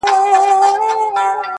کورونا چي پر دنیا خپل وزر خپور کړ!.